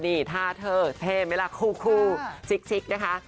นี่ท่าเธอเท่ไหมล่ะคู่ชิกนะคะ